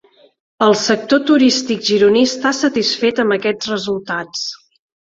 El sector turístic gironí està satisfet amb aquests resultats.